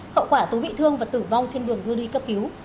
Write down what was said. hậu quả tú bị thương và tử vong trên đường đưa đi cấp cứu